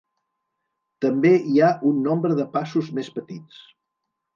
També hi ha un nombre de passos més petits.